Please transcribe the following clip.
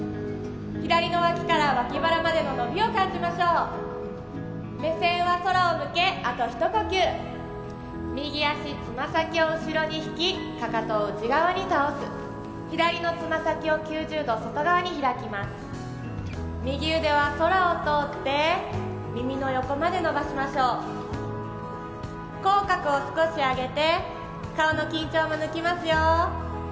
左の脇から脇腹までの伸びを感じましょう目線は空を向けあと一呼吸右足つま先を後ろに引きかかとを内側に倒す左のつま先を９０度外側に開きます右腕は空を通って耳の横まで伸ばしましょう口角を少し上げて顔の緊張も抜きますよ